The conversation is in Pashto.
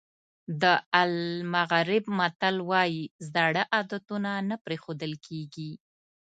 د المغرب متل وایي زاړه عادتونه نه پرېښودل کېږي.